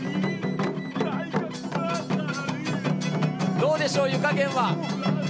どうでしょう、湯加減は。